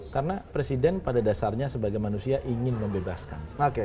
karena presiden pada dasarnya sebagai manusia ingin memperbaiki